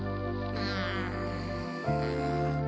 うん。